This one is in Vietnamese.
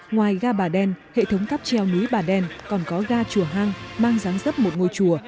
ngoài ga bà đen hệ thống cắp treo núi bà đen còn có ga chùa hang mang dáng dấp một ngôi chùa